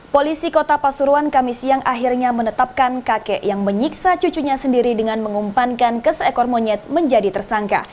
polisi kota pasuruan kami siang akhirnya menetapkan kakek yang menyiksa cucunya sendiri dengan mengumpankan ke seekor monyet menjadi tersangka